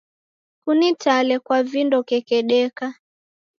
Kusenitale kwa vindo kekedeka